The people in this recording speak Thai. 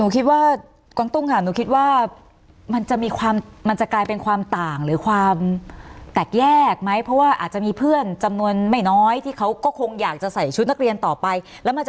ก็คิดว่ามันจะมีเป็นความต่างหรือแกร่งแยกมั้ยเพราะว่าอาจจะมีเพื่อนจำนวนไม่น้อยที่เขาก็คงอยากจะใส่ชุดนักเรียนต่อไปแล้วมัน